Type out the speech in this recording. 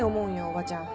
おばちゃん。